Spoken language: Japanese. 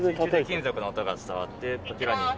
金属の音が伝わってこちらに。